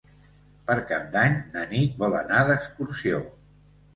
Per Cap d'Any na Nit vol anar d'excursió.